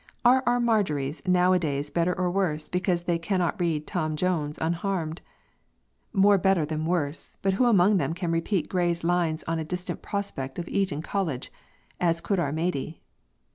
Are our Marjories now a days better or worse, because they cannot read 'Tom Jones' unharmed? More better than worse; but who among them can repeat Gray's 'Lines on a Distant Prospect of Eton College' as could our Maidie?